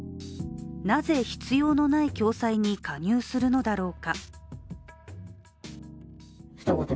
なぜ必要のない共済に加入するのだろうか。